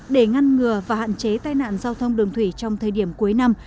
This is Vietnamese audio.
để ngăn ngừa và hạn chế tai nạn giao thông đường thủy trong thời điểm cuối năm